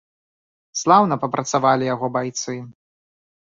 Слаўна папрацавалі яго байцы.